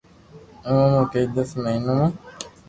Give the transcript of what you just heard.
او مون ڪني دس مھينون مون